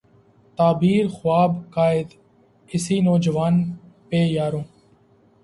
تعبیر ء خواب ء قائد، اسی نوجواں پہ یارو